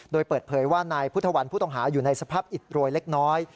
โดยเปิดเผยว่านายพุทธวันผู้ต้องหาอยู่ในสภาพอิดโรยเล็กน้อย